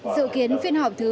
dự kiến phiên họp thứ ba mươi ba